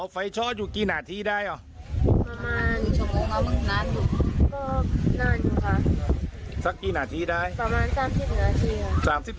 อ๋อไฟชอบอยู่กี่นาทีได้อ่ะนานค่ะสักกี่นาทีได้ประมาณ๓๐นาทีค่ะ